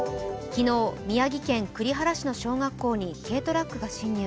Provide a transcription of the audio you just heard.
昨日、宮城県栗原市の小学校に軽トラックが進入。